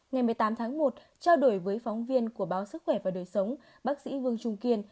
ngày một mươi tám tháng một trao đổi với phóng viên của báo sức khỏe và đời sống bác sĩ vương trung kiên